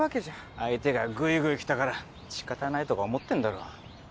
相手がグイグイきたからしかたないとか思ってんだろ？